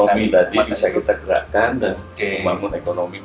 ekonomi tadi bisa kita gerakkan dan membangun ekonomi